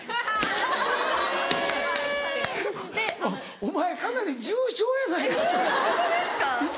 お前かなり重症やないかそれ！